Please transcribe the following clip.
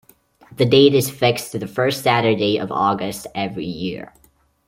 The date is fixed to the first Saturday of August every year.